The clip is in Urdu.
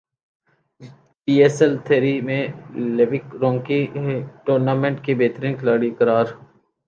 پی ایس ایل تھری میں لیوک رونکی ٹورنامنٹ کے بہترین کھلاڑی قرار